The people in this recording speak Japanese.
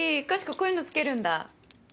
こういうの付けるんだ。